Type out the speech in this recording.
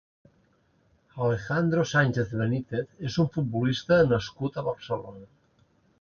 Alejandro Sánchez Benítez és un futbolista nascut a Barcelona.